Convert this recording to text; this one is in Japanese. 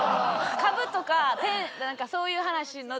株とかなんかそういう話の横に。